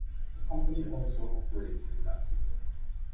The company also operates in Mexico.